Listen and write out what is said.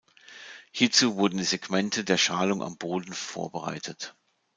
Hierzu wurden die Segmente der Schalung am Boden vorbereitet.